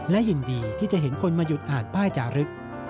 และยินดีที่จะเห็นคนมาหยุดอ่านป้ายจารึก